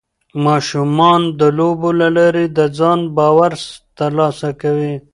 ماشومان د لوبو له لارې د ځان باور ترلاسه کوي.